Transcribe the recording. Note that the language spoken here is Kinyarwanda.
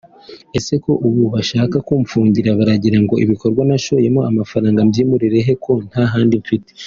ese ko ubu bashaka kumfungira baragira ngo ibikorwa nashoyemo amafaranga mbyimurire he ko ntahandi mfite